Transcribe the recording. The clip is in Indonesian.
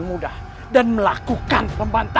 kita bisa menyusup ke pejajarannya